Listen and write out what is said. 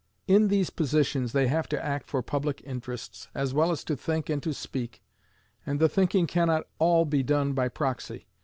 In these positions they have to act for public interests, as well as to think and to speak, and the thinking can not all be done by proxy.